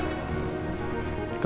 karena saya memohon ke mereka